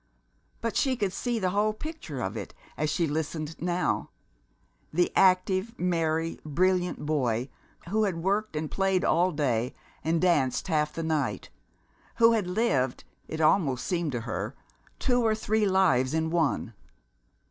But she could see the whole picture of it as she listened now: the active, merry, brilliant boy who had worked and played all day and danced half the night; who had lived, it almost seemed to her, two or three lives in one.